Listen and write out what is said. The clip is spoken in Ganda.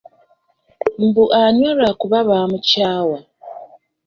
Mbu anywa lwa kuba baamukyawa.